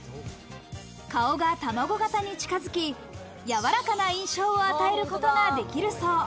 顔がたまご型に近づき、やわらかな印象を与えることができるそう。